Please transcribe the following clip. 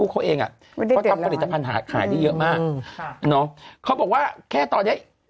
เขาบอกว่าแค่ตอนนี้